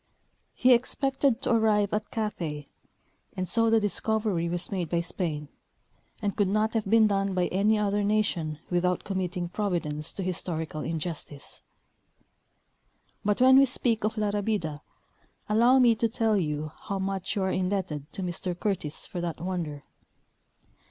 He expected to arrive at Cathay, and so the discovery was made by Spain, and could not have been done by any other nation without com mitting Providence to historical injustice. But when we speak of La Rabida, allow me to tell you how much you are indebted to Mr Curtis for that wonder.